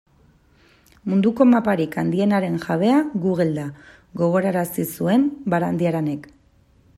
Munduko maparik handienaren jabea Google da, gogorarazi zuen Barandiaranek.